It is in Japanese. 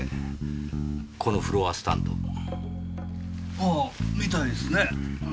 ああみたいですね。